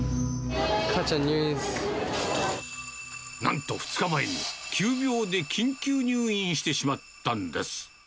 母ちゃん、なんと２日前に、急病で緊急入院してしまったんです。